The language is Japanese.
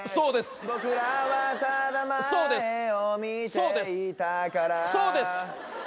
そうですそうです」